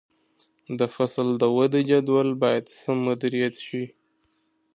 د فصل د ودې جدول باید سم مدیریت شي.